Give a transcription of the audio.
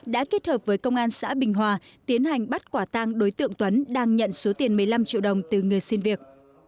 đã kết hợp với công an xã bình hòa tiến hành bắt quả tang đối tượng tuấn đang nhận số tiền một mươi năm triệu đồng từ người xin việc